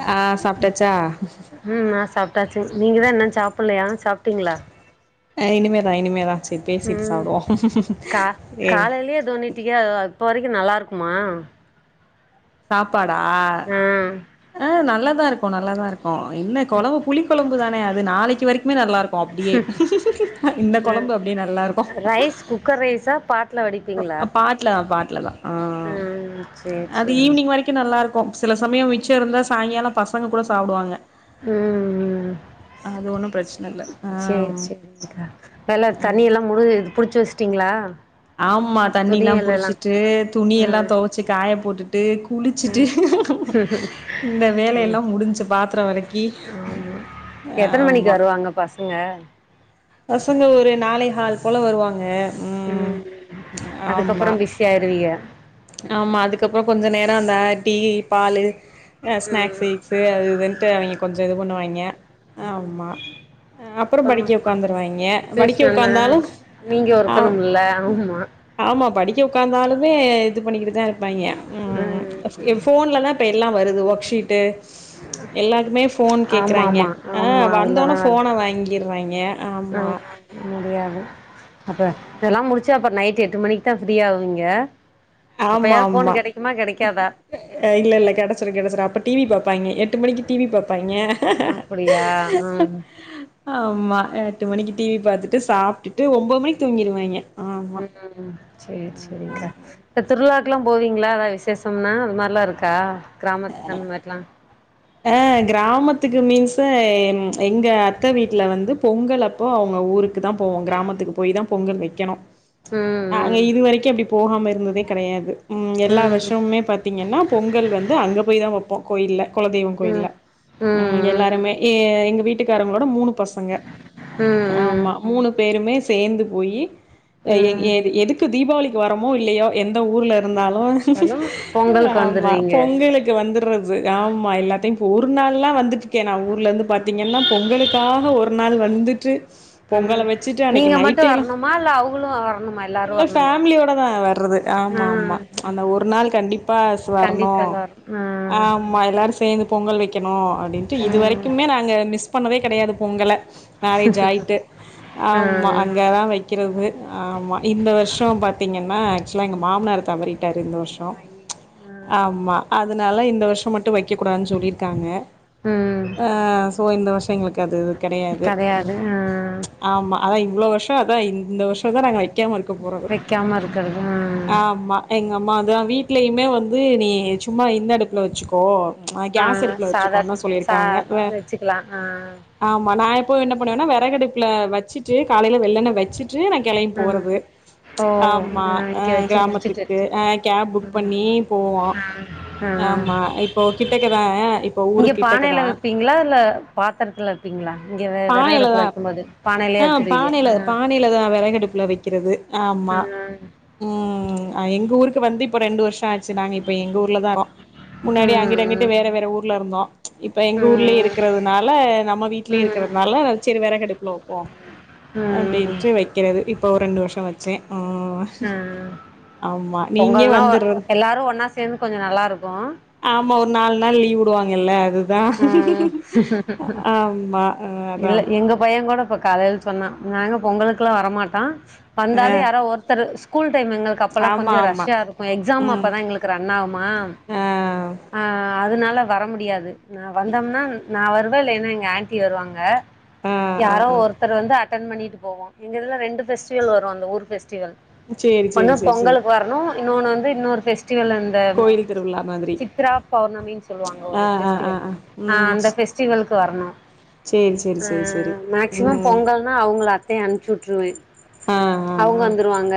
ஆ சாப்ட்டாச்சா ம் நா சாப்ட்டாச்சு நீங்கதா இன்னு சாப்பில்லையா சாப்ட்டீங்ளா அஹ் இனிமேதா இனிமேதா சரி பேசிட்டு சாப்டுவோ ஏ [unintelligible] தோழி குட்டியா இப்போ வரைக்கு நல்லாருக்குமா சாப்பாடா ஆ ஆ நல்லாதா இருக்கு நல்லாதா இருக்கு ஆ என்ன குழம்பு புளி குழம்பு தானே அது நாளைக்கு வரைக்குமே நல்லா இருக்கு அப்டியே இந்த ஆ குழம்பு அப்டி நல்லாருக்கு ரைஸ் குக்கர் ரைஸா பாட் பாட்ல தா பாட்டுல தா ஆ ம் சேரி அது சேரி ஈவ்னிங் வரைக்கு நல்லா இருக்கு சில சமயோ மிச்சோ இருந்தா சாயங்காலோ பசங்க கூட சாப்டுவாய்ங்க ம் ம் ஒன்னு பிரச்சன இல்ல ஆ சரி ம் சேரிகா வேல தண்ணி எல்லா முழுது புடிச்சு வச்சுட்டீங்ளா ஆமா தண்ணில்லா புடிச்சிட்டு துணி எல்லா ம் துவச்சு காய போட்டுட்டு விட்டு குளிச்சிட்டு ம் இந்த வேலையெல்லா முடிஞ்சு பாத்திரோ விளக்கி எத்தன மணிக்கு வரு வாங்க பாஸ் அஹ் பசங்க ஒரு நாளேஹால் போல வருவாங்க ம் ஆமா அதுக்கப்புறோ பிஸி ஆயிருவீக ஆமா அதுக்கப்புறோ கொஞ்ச நேரோ அந்த டீ பாலு ம் ஸ்நாக்ஸு சரி அது இதுந்துட்டு அவங்க கொஞ்சோ இது பண்ணுவாய்ங்க ம் அப்புறோ படிக்க உக்காந்துருவாய்ங்க படிக்க டியூஷன்னு உக்காந்தாலு நீங்க ஆ ஒருக்கணும்ல ஆமா ஆமா படிக்க உக்காந்தாலுமே இது பண்ணிக்கிட்டு தா ம் இருப்பாய்ங்க ஃபோன்லலாம் இப்ப எல்லா வருது ஒர்க்ஷீட்டு எல்லாருக்குமே ஃபோன் ஆமா கேக்குறாய்ங்க ஆமா ஆ ஆமா வந்தோனே அதுலதா ஃபோன வாங்கிட்றாய்ங்க ஆ முடியாது இதெல்லா முடிச்சு அப்றோ நைட் எட்டு மணிக்கு தா ஃப்ரீயாவீங்க அப்பயாது ஃபோன் கிடைக்குமா கிடைக்காதா அஹ் இல்ல இல்ல கிடச்சுரு கிடச்சுறு அப்ப டிவி பாப்பாய்ங்க என் எட்டு மணிக்கு டிவி பாப்பாய்ங்க அப்டியா ம் ஆமா எட்டு மணிக்கு டிவி பாத்துட்டு சாப்ட்டுட்டு ஒம்போது மணிக்கு தூங்கிருவாய்ங்க ஆமா ம் சேரி சேரிகா இந்த திருலா லா போவீங்களா எதா விசேஷம்னா அது மாதிரிலா இருக்கா கிராமத்து தன்னி மாரில்லா ஆ கிராமத்துக்கு மீன்ஸ் எங்க அத்த வீட்டுல வந்து பொங்கல் அப் அப்போ அவுங்க ஊருக்கு தா போவோ கிராமத்துக்கு போய் தா பொங்கல் வைக்கணு ம் அங்க இது வரைக்கு அப்டி போகாம இருந்ததே கிடையாது ம் எல்லா வருஷமுமே பத் திங்கன்னா பொங்கல் வந்து அங்க போய் தா வப்போ கோயில்ல குலதெய்வோ ம் கோயில்ல ம் ம் எல்லாருமே ஏ எங்க வீட்டுக்காரங்களோட மூணு பசங்க ம் ம் ஆமா மூணு பேருமே சேந்து போய் ம் ஏ ம் ஏ எதுக்கு தீபாவளிக்கு வரமோ இல்லையோ எந்த ஊர்ல இருந்தாலு ஹலோ பொங்கலுக்கு ஆமா வந்துருவீங்க பொங்கலுக்கு வந்துடுறது ஆமா எல்லாத்தையு இப்ப ஒரு நாள்லா வந்துட்டு கே நா ஊர்ல இருந்து பாத்தீங்கன்னா பொங்களுக்காக ஒரு நாள் வந்துட்டு ம் பொங்கல வச்சுட்டு அன்னைக்கு நீங்க மட்டு நைட்ல்லா வரணுமா இல்ல அவங்களு வரணுமா எல்லாரு இல்ல வரணுமா பேமிலியோட தா வர்றது ஆமா ம் ஆமா அந்த ஒரு நாள் கண்டிப்பா ச வரணு கண்டிப்பா எல்லாரு ஆ ம் ஆமா எல்லாரு சேர்ந்து பொங்கல் வைக்கணு அப்டின்ட்டு இதுவரைக்குமே நாங்க மிஸ் பண்ணவே கிடையாது பொங்கல மேரேஜ் ஆயிட்டு ஆமா ம் ம் அங்கே தா வைக் வைக்கிறது ஆமா இந்த வருஷம் பாத்திங்கன்னா ஆக்சுவலா எங்க மாமனார் தவறிட்டார் இந்த வருஷ ஆ ஆமா அதனால இந்த வருஷம் மட்டு வைக்க கூடாதுனு சொல்லிருக்காங்க ம் ஆ சோ இந்த வருஷ எங்களுக்கு அது கிடையாது கெடையாது ஆ ச் ஆமா அத இவ்ளோ வருஷ அத இந்த வருஷ தா நாங்க வைக்கமா இருக்கபோறது வைக்காம இருக்கிறது ம் ஆமா எங்க அம்மா அதா வீட்லயுமே வந்து நீ சும்மா இந்த அடுப்புல வச்சுக்கோ ஆ கேஸ் அடுப்புல சாதா வச்சுக்கோனு சா சொல்லியிருக்காங்க வ வச்சுக்கலா ஆ ஆமா நா இப்போ என்ன பண்ணுவேன்னா விறகடுப்புல வச்சுட்டு காலையில வெள்ளண்ண வச்சுட் டு நா கெளம்பி ம் போறது ஓ ஆமா அ இங்க வச்சு முடிச்சுட்டு கிராமத்துக்கு அ கேப் புக் ம் பண்ணி போவோ ம் ம் ஆமா இப்போ கிட்டக்கதா இப்போ ஊரு இங்க பானையில கிட்டக்கதா வைப்பீங்களா இல்ல பாத்திரத்துல வைப்பீங்களா இங்க பானையில விறகடுப்புல தா வைக்கும் போது ஆ பானையிலயே வச்சிருவீங்க பானையில ஆ பானையிலதா விறகடுப்புல வைக்கிறது ஆமா ம் ம் எங்க ஊருக்கு வந்து இப்ப ரெண்டு வருஷ ஆச்சு நாங்க இப்ப எங்க ஊர்லதாறோ முன்னாடி அங்கிட்டு அங்கிட்டு ம் வேற வேற ஊர்ல இருந்தோ இப்ப எங்க ஊர்லயே ம் இருக்கிறதுனால நம்ம வீட்லயே ம் இருக்கறதுனால செரி வெறகு அடுப்புல வைப்போ ம் அப்டின்ட்டு வைக்கிறது இப்போ ரெண்டு வருஷ வச்சே ஆ ம் ஆமா நீங்க வந்துறத் எல்லாரு ஒன்னா சேர்ந் சேந்து கொஞ்ச நல்லா இருக்கு ஆமா ஒரு நாலு நாள் லீவ் உடுவாங்கல்ல அது ம் ஆமா அதா இல்ல எங்க பையன் கூட இப்ப காலையித் சொன்னா நாங்க பொங்கலுக்குலா வரமாட்டா வந்தாலு யாரோ ஒருத்தர் ஸ்கூல் டைம் எங்களுக் அப்பல்லா ஆமா கொஞ்ச ஆமா ரஷ்ஷா இருக்கு எக்ஸாம் ம் அப்பதா எங்களுக்கு ரன் ஆகுமா ஆ ஆ அதனால வர முடியாது நா வந்தோம்னா நா வருவே இல்லைன்னா எங்க ஆன்ட்டி வருவாங்க ஆ ஆ யாரோ ஆ ஒருத்தர் வந்து அட்டன் பண்ணிட்டு போவோ எங்க இதுல ரெண்டு பெஸ்டிவல் வரு அந்த ஊர் பெஸ்டிவல் சேரி ஒண்ணு சேரி சேரி சேரி பொங்கலுக்கு வரணு இன்னொன்னு வந்து இன்னொரு பெஸ்டிவல்ந்து இந்த கோயில் திருவிழா மாதிரி சித்ரா பௌர்ணமின்னு சொல்லுவாங்க ஆ ஒரு ஆ பெஸ்ட் ஆ வல் ஆ ம் அந்த பெஸ்டிவல்க்கு வறனு சேரி சேரி சேரி சேரி ம் மேக்ஸிமம் ம் பொங்கல் ஆ அவங்கள அத்தைய அனுப்புச்சி விட்ருவே ஆ ஆ அவங்க ஆ வந்துருவாங்க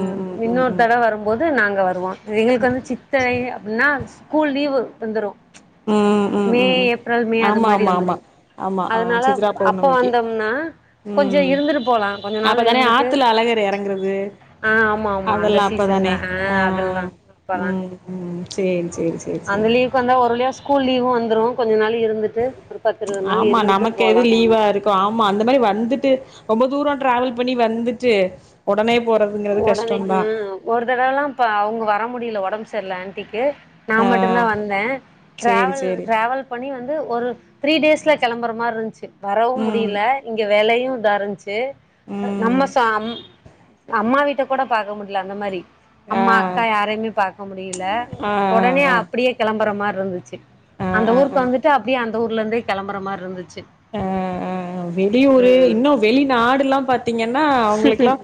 ம் இன்னொரு தட வரும்போது நாங்க வருவோ எங்களுக்கு வந்து சித்தை அப்டின்னா ஸ்கூல் லீவு வந்துரு ம் ம் மே ம் ம் ஏப்ரல் மே அது ஆமா மாரி ஆமா வந்துரு ஆமா ஆமா ஆ அதனால சித்ரா அப்ப பௌர்ணமிக்கு வந்தோம்னா கொஞ்ச ம் இருந்துட்டு போலா கொஞ்ச நாள் அப்பதானே இருந்துட்டு ஆத்துல அழகர் எறங்குறது ஆ ஆமா ஆமா அந்த அதெல்லா சீசன் தா அப்பதானே ஆ அதுல தா அப்பதா ம் ம் சேரி சேரி சேரி அந்த சேரி லீவ் உக் வந்தா ஒரு வளியா ஸ்கூல் லீவு வந்துடு கொஞ்ச நாள் இருந்துட்டு ஒரு பத்து இருபது நாள் ஆமா இருந்துட்டு நமக்கு போலா எது லீவா இருக்கு ஆமா அந்த மாதிரி வந்துட்டு ரொம்ப தூரம் டிராவல் பண்ணி வந்துட்டு உடனே போறதுங்கறது ஒடனே கஷ்டம்தா ம் ஒரு தடவைல்லா இப்ப அவுங்க வர முடியில ஒடம்பு சரில ஆன்டிக்கு நா ஆ மட்டுந்தா வந்த சேரி ட்ராவல் சேரி ட்ராவல் பண்ணி வந்து ஒரு த்ரீ டேஸ்ல கெளம்புற மாரி இருந்த்ச்சு வரவு ம் முடியில இங்க வேலையு இதா இருந்த்ச்சு து ம் நம்ம சொ அம் அம்மா வீட்ட கூட பாக்க முடில அந்த மாரி ஆ அம்மா அக்கா யாரையுமே பாக்க முடியில ஆ ஆ ஒடனே ஆ அப்டியே கெளம்புற மாரி இந்துச்சு அந்த ஆ ஆ ஊருக்கு ஆ வந்துட்டு அப்டியே அந்த ஊர்லருந்தே கெளம்புற மாரி இருந்துச்சு ஆ வெளியூரு ம் இன்னு வெளிநாடுல்லா பாத் திங்கன்னா ம் அவங்களுக்லாம்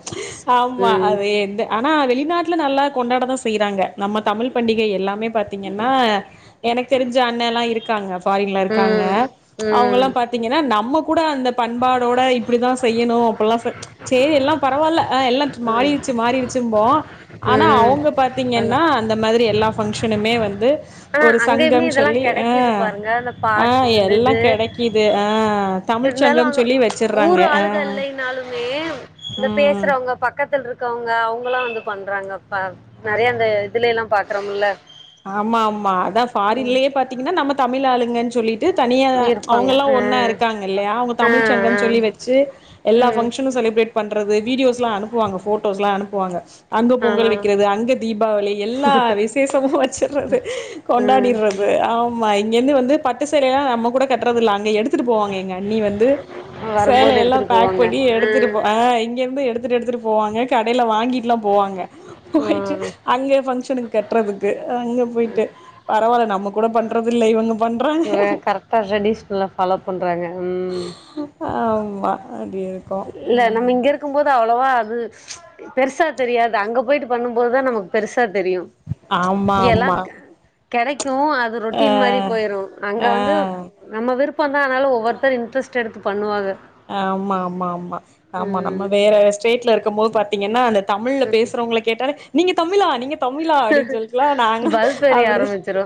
ஆமா ம் அது ஆனா வெளிநாட்டுல நல்லா கொண்டாடதா செய்றாங்க நம்ம தமிழ் பண்டிகை எல்லாமே பாத்தீங்கன்னா எனக்கு தெரிஞ்ச அண்ணன்லா இருக்காங்க ஃபாரின்ல இருக்காங்க ம் ம் அவங்கல்லாம் பாத்தீங்கன்னா நம்ம கூட அந்த பண்பாடோட இப்டிதா செய்யனு அப்டிலா ச சேரி எல்லா பரவால்ல ஆ எல்லா மாறிருச்சு மாறிருச்சும்போ ஆனா ம் அவங்க ஹலோ பாத்தீங்கன்னா இந்த மேஅதிரி எல்லா ஃபங்க்ஷனுமே வந்து ஆனா ஒரு அங்கயுமே சங்கம் இதெல்லா சொல்லி அ கெடைக்குது பாருங்க அந்த ஆ பாட்டு இந்த எல்லா இது கெடைக்குது ஆ தமிழ் இருந்தாலு சங்கம் அவுங்கோ சொல்லி வச்சர்றாங்க ஊரு ஆ ஆளுக இல்லைனாலுமே இந்த ம் பேசுறவங்க பக்கத்துலருக் கவங்க அவங்களா வந்து பண்றாங்கப்பா நெறையா அந்த இதுலயெல்லா பாக்குறம்முல ஆமாமா அதா ஃபாரின்லயே பாத்தீங்கன்னா நம்ம தமிழ் ஆளுங்கன் சொல்லிட் டு தனியாதா இருப்பாங்க அவங்கல்லா ஒன்னா ஆஹ் இருக்காங்க இல்லையா அவங்க தமிழ் ஆஹ் சங்கம்னு ஆஹ் சொல்லி வச்சு எல்லா உம் ஃபங்ஷனு செலிப்ரேட் பண்றது வீடியோஸ்லா அனுப்புவாங்க போட்டோஸ்லா அனுப்புவாங்க அங்க பொங்கல் ஆஹ் வெக்கிறது அங்க தீபாவளி எல்லா விசேஷமு வச்சிடுறது உம் கொண்டாடிடுற து ஆமா இங்கேர்ந்து வந்து பட்டு சேலயெல்லா நம்ம கூட கட்டுறதில்ல அங்க எடுத்துட்டு போவாங்க எங்க அண்ணி வந்து வரும்போது சேலையெல்லா எடுத்துட்டு பேக் போவாங்க பண்ணி எடுத்துட்டு போ ஆ இங்கேர்ந்து எடுத்துட்டு எடுத்துட்டு போவாங்க கடையில வாங்கிட்லா போவாங்க போயிட்டு ஆஹ் அங்க்யே ஃபங்க்ஷனுக்கு கட்டுறதுக்கு அங்க போயிட்டு பரவால்ல நம்ம கூட பண்றது இல்ல இவங்க பண்றாங்க இவ கரெக்டா ட்ரெடிஸ் ஃபுல்லா ஃபாலோ பண்றாங்க ம் ஆமா அப்டி இருக்கு இல்ல நம்ம ம் இங்க இருக் கும்போது அவ்ளவா அது பெருசா தெரியாது அங்க போயிட்டு பண்ணும்போதுதா நமக்கு பெருசா தெரியு ஆமா எல்லா ஆமா கெடைக்கு அது ஆ ரொட்டீன் மாரி போயிரு அங்க வந்து ஆ நம்ம விருப்பந்தா ஆனாலு ஒவ்வொருத்தர் இன்ட்ரஸ்ட் எடுத்து பண்ணுவாக ஆமா ஆமா ஆமா ஆமா நம்ம வேற ஸ்டேட்ல இருக்கும்போது பா த்திங்கனா அந்த தமிழ்ல பேசுறவங்கள கேட்டாளே நீங்க தமிழா நீங்க தமிழா அப்டின்னு சொல்லிட்லா நாங்க பல்ப் எரிய அப்டி ஆரம்பிச்சிரு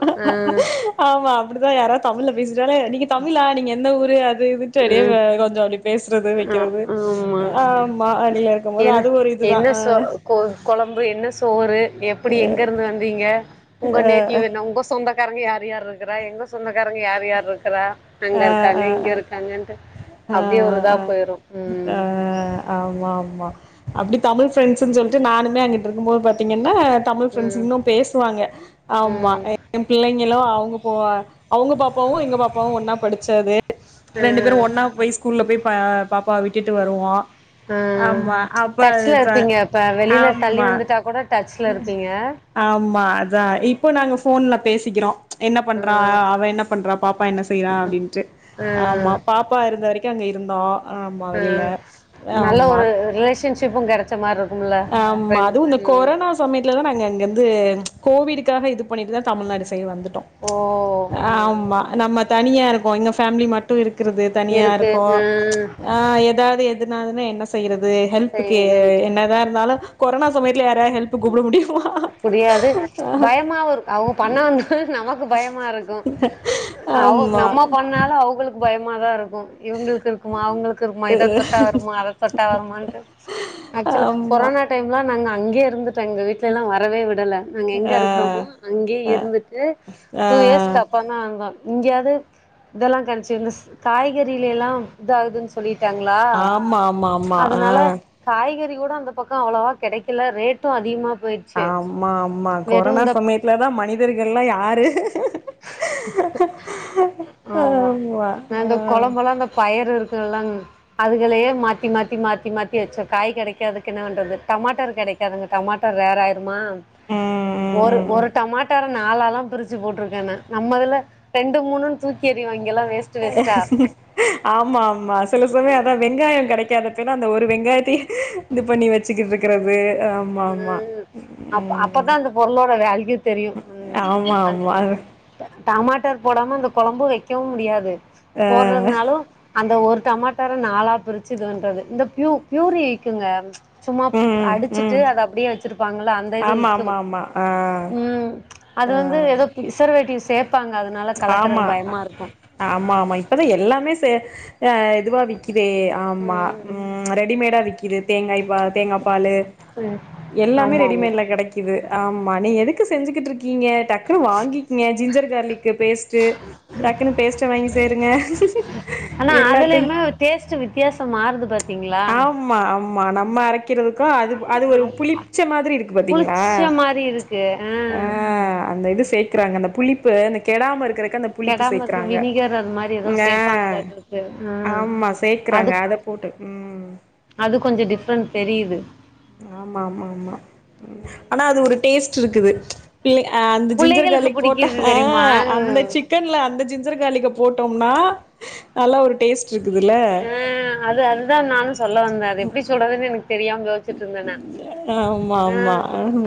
ஆமா அப்புடிதா யாராது தமிழ்ல பேசிட்டாலே நீங்க தமிழா நீங்க எந்த ஊரு அது இதுன்டு அப்டியே வ அ கொஞ்சோ [unintelligible] பேசுறது அ வெக்கிறது ஆமா ஆ ஆமா வெளிய இருக்கும்போது என்ன அது ஒரு இதுதா என்ன ஆ சோ கொழம்பு என்ன சோறு எப்டி எங்க இருந்து வந்தீங்க ஒங்க நேட்டிவ் என் ன ஒங்க சொந்தக்காரங்க யாரு யாரிருக்குறா எங்க சொந்தக்காரங்க யாரு யாரிருக்குறா எங்க ஆ இருக்காங்க ஆ இங்க ஆ இருக் காங்கன்ட்டு ஆ அப்டியே ஒரு இதா போயிரு ம் ம்ம்ம்ம் ஆமாமா அப்புடி தமிழ் ஃப்ரெண்ட்ஸ்ன்னு சொல்ட்டு நானுமே அங்கட்டு இருக்கும்போது பாத்திங்கனா தமிழ் ஃப்ரெண்ட்ஸ் ம் இன்னு பேசுவாங்க ஆமா ம் என் பிள்ளைங்களு அவங்க போ அவுங்க பாப்பாவு எங்க பாப்பாவு ஒன்னா படிச்சது ரெண்டு பேரு ம் ஒன்னா போய் ஸ்கூல்ல போய் பா பாப்பா விட்டுட்டு வருவோ ம் ஆமா அப்ப டச்ல இருப்பீங்க இப்ப வெளியில தள்ளி ஆமா வந்துட்டா கூட டச்ல இருப்பீங்க ஆமா அதான் இப்போ நாங்க ஃபோன்ல பேசிக்கிறோம் என்ன பண்றா ம் அவ என்ன பண்றா பாப்பா என்ன செய்யறா அப்பிடின்ட்டு ஆமா ம் பாப்பா இருந்த வரைக்கும் அங்க இருந்தோ ஆமாம் வெளியில ஆமா ஃபிரண்ட்ஷிப்போ கெடைச்ச மாரி இருக்கும்ல ஃபெ ம் குப்ப மேட்ல தா நாங்க இங்கிருந்து கோவிடுக்காக இது பண்ணிட்டு தான் தமிழ்நாடு சயிட் வந்துட்டோம் ஓ ம் ஆமா நம்ம தனியா இருக்கோ இங்க ஃபேமிலி மட்டும் இருக்கிறது தனியா இருக்கு இருக்கோ ம் ஆ ஏதாது எதுன்னாலுமே என்ன செய்யறது ஹெல்ப்புக்கு எ செய்றதுன்ட்டு என்ன எதா இருந்தாலு கொரனா சமயத்தல யாரையாது ஹெல்புக்கு கூப்ட முடியுமா முடியாது பயமாவு இருக் அவுங்க பண்ண வந் நமக்கு பயமா இருக்கோ அவு ஆமா நம்ம பண்ணாலு அவுங்களுக்கு பயமாதா இருக்கோ இவுங்களுக்கு இருக்குமா அவுங்களுக்கு இருக்குமா இத தொட்டா வருமா அத தொட்டா வருமான்ட்டு ஆக்சுவலா ஆமா கொரோனா டைம்லா நாங்க அங்கேயே இருந்து எங்க வீட்லல்லா வரவே விடல நாங்க எங்க ஆ இருக்கிறோமோ அங்கேயே அ இருந்துட்டு ஆ டூ இயர்ஸ் சப்பனா வந்தோ இங்கயாவது இதெல்லா கடைச்சு ஸ் காய்கறில்ல எல்லா இதாகுதுன்னு சொல்லிட்டாங்களா ஆமா ஆமா ஆமா ஆ அதுனால காய்கறிக்கூட அந்த பக்க அவ்வளவா கெடைக்கல ரேட்டும் அதிகமா போயிருச் ஆமா ஆமா கொரனா சமயத்துலதா மனிதர்கள்ல்லா யாரு ஆமா இந்த கொழம்பல்லா அந்த பயறு இருக்குதுல்லங் அதுகுன்னே மாத்தி மாத்தி மாத்தி மாத்தி வச்சோ காய் கெடைக்காததுக்கு என்ன பண்றது டமாட்டர் கெடைக் க்காதுங்க டமாட்டர் ரேர் ஆயிருமா ம் ம் ஒரு ம் ம் ஒரு டமாட்டரு நாலல்லா பிரிச்சு போட்டுருக் ஏன்னா நம்மதுல ரெண்டு மூணுனு தூக்கெறிவாங்கல்ல எல்லா வேஸ்ட் வேஸ்ட்டா ஆமா ஆமா சில சமயம் அதா வெங்காயம் கெடைக்காதப்பெல்லா அந்த ஒரு வெங்காயத்தையே இது பண்ணி வச்சுக்கிட்ருக்கிறது ஆம் ம் அப் அப்பதா அந்த பொருளோட வேல்யூ தெரியோ ஆமா ஆமா அ டமாட்டர் போடாம அந்த கொழம்பு வைக்கவும் முடியாது ஆ போடறது எதுனாலும் அந்த ஒரு டமாட்டர நாலா பிரிச்சு இது பண்றது இந்த பியு பியூரி விக்குங்க சும்மா ம் அடிச்சுட் டு ம் அத அப்பிடியே வச்சிருப்பாங்கள அந்த இது ஆமா ஆமா விக்கும் ஆமா ஆ ம் அது வந்து ஆ எதோ பிரசர்வேட்டிஸ் சேப்பாங்க அதனால ஆமா கலக்கறக்கு பயமா இருக்கோ ஆமா ஆமா இப்பதா எல்லாமே செ அ இதுவா விக் க்குதே ஆமா ம் ரெடிமேட்டா விக்கிது தேங்காய் பா தேங்காப்பாலு ம் எல்லாமே ஆமாம் ஆமாம் ரெடிமேட்ல கெடைக் க்குது ஆமா நீங்க எதுக்கு செஞ்சுகிட்டு இருக்கீங்க டக்குனு வாங்கிக்கீங்க ஜிஞ்சர் கார்லிக்கு பேஸ்ட்டு டக்குன்னு பேஸ்ட்ட வாங்கி சேருங்க எல்லாத்தையு இப்ப டேஸ்ட்டு விட் ஆமா ஆமா நம்ம அரைக்கிறதுக்கு அது அது ஒரு புளிப் ச்ச மாதிரி இருக்கு பாத்தீங்களா புளிச்ச மாதிரி இருக்கு ஆ அ அ அந்த இது சேக்குறாங்க அந்த புளிப்பு இந்த கெடாம இருக் க்கறதுக்கு அந்த புளிப்பு கெடாம இருக்கு சேக்குறாங்க வினிகர் அது மாதிரி ஏதோ சேர்ப்பாங்களாட்டு இருக்கு ஆ அது போட்டு ம் அது கொஞ்ச டிஃப்ரெண்ட் தெரியுது ஆமா ஆமா ஆமா ம் ஆனா அது ஒரு டேஸ்ட் இருக்குது பிள்ளை அ அந்த ஜிஞ்சர் புள்ளைகளுக்கு கார்லிக் போட்டா புடிக்குது ஆ தெரியுமா அந்த சிக் சிக்கன்ல அந்த ஜிஞ்ஜர் காளிக்க போட்டோம்னா நல்லா ஒரு டேஸ்ட் இருக்குதுல்ல ம் அது அதுதா நானு சொல்ல வந்தே அது எப்டி சொல்றதுன்னு எனக்கு தெரியாம யோசி ச்சுட்டு இருந்தே நானு ஆமா ஆமா ம்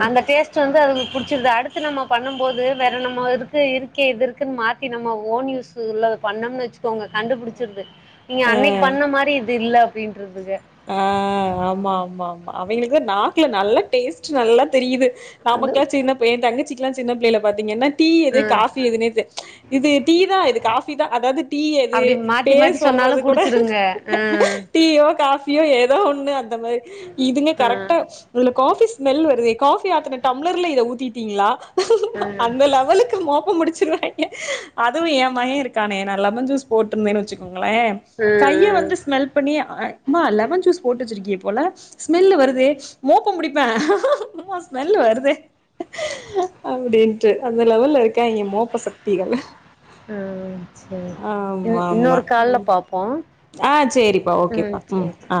அந்த டேஸ்ட் டு வந்து அதுங்களுக்கு புடிச்சிருது அடுத்து நம்ம பண்ணும் போது வேற நம்ம இருக்கு இருக்கே இது இருக்குன்னு மாத்தி நம்ம ஓன் யூஸ் ல்ல பண்ணோம்னு வச்சுக்கோங்க கண்டுபுடுச்சுறுது நீங்க அன்னைக்கு ஆ பண்ண மாரி இது இல்ல அப்டின்ருதுக ஆ ஆமா ஆமா ஆமா அவெங்களுக்கு நாக்குல நல்ல டேஸ்ட்டு நல்லா தெரியுது அது நமக்காச்சி இன்ன ஏ தங்கச்சிகுல சின்ன பிள்ளைல பாத்தீங்கனா டீ எது ஆ காபி எதுனே இது டீதா இது காபி தா அதாவது டீ எது பேர் சொல்றதுகூட ஆ ஆ டீயோ காஃபியோ ஏதோ ஒன்னு அந்த மாரி இதுங்க ஆ கரெக்டா ஆ இதுல காபி ஸ்மெல் வருதே காபி ஆத்துன டம்ளர்ல இத ஊத்திட்டீங்ளா ஆ அந்த லெவலுக்கு மோபோ புடிச்சிருவாங்க அதுவு ஏ மக இருக்கானே நா லெமன் ஜூஸ் போட்ருந்த வச்சுக்கோங்களே ஆ கைய வந்து ஸ்மெல் பண்ணி ம்மா லெமன் ஜூஸ் போட்டுவச்சிருக்கபோல ஸ்மெல் ஆ வருதே மோப்ப புடிப்ப ஸ்மெல் வருதே அப்டின்ட்டு அந்த லெவல்ல இருக்காங்க மோப்ப சக்திகள் ஆ சேரி இ ஆமா ஆமா இன்னோரு கால்ல ம் பாப்போ ஆ சேரிப்பா ஓகேப்பா ம் ஆ